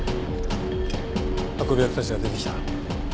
運び役たちが出てきた。